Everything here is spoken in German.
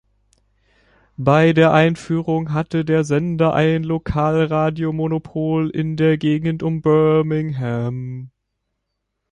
Bei der Einführung hatte der Sender ein Lokalradio-Monopol in der Gegend um Birmingham.